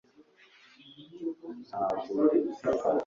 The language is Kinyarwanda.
nibyiza kwiyungura ubumenyi kuri cyo